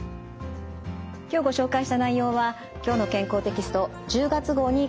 今日ご紹介した内容は「きょうの健康」テキスト１０月号に詳しく掲載されています。